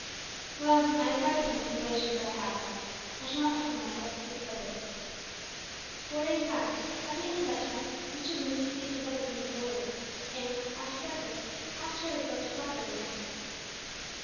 "Well, I am quite content with the relations that I have found, and shall not trouble myself to seek further." Four days passed. At the end of that time, Mr. Lindsay received a letter from his lawyer and, after breakfast, asked Harry to go into the library with him.